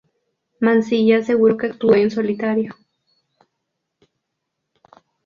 Mansilla aseguró que actuó en solitario.